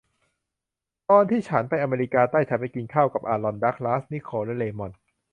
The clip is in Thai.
ตอนที่ฉันไปอเมริกาใต้ฉันไปกินข้าวกับอารอน ดักลาส นิโคล และเรย์มอนด์